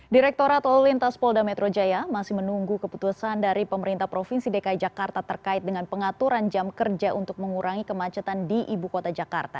direktorat lalu lintas polda metro jaya masih menunggu keputusan dari pemerintah provinsi dki jakarta terkait dengan pengaturan jam kerja untuk mengurangi kemacetan di ibu kota jakarta